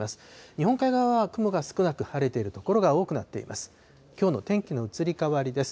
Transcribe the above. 日本海側は雲が少なく、晴れている所が多くなっています。